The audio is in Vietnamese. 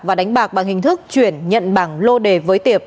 và đánh bạc bằng hình thức chuyển nhận bảng lô đề với tiệp